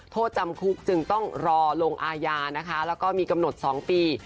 โทษจำคุกจึงต้องรอลงอาญานะคะแล้วก็มีกำหนด๒ปี